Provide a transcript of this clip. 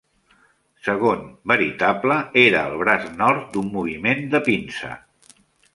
Segon, "Veritable" era el braç nord de un moviment de pinça.